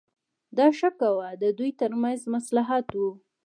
دا ښه کوه د دوی ترمنځ مصلحت و.